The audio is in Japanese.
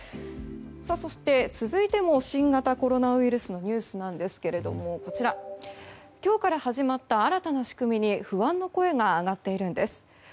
そして続いても新型コロナウイルスのニュースですが今日から始まった新たな仕組みに不安の声が上がっているんです。